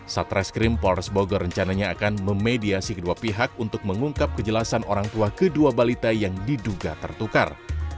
satreskrim polres bogor rencananya akan memediasi kedua pihak untuk mengungkap kejelasan orang tua kedua balita yang diduga tertukar